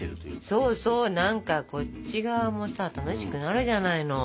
そうそう何かこっち側もさ楽しくなるじゃないの。